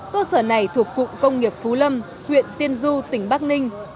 cơ sở này thuộc cụng công nghiệp phú lâm huyện tiên du tỉnh bắc ninh